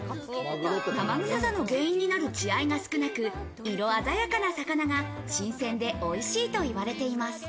生臭さの原因になる血合いが少なく、色鮮やかな魚が新鮮でおいしいと言われています。